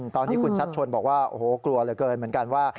ตอนนี้คุณชัดชนบอกว่าโอ้โหกลัวเหลือเกินเหมือนกันว่า